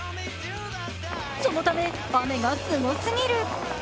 そのため雨がすごすぎる。